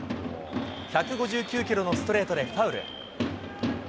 １５９キロのストレートでファウル。